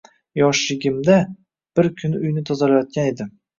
Yoshligimda, bir kuni uyni tozalayotgan edim